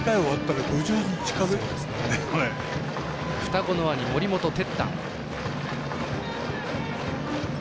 双子の兄、森本哲太。